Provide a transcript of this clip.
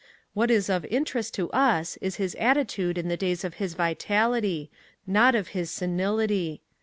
What is of interest to us is his attitude in the days of his vitality, not of his senility.